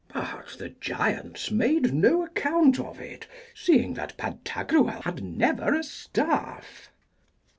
But the giants made no account of it, seeing that Pantagruel had never a staff.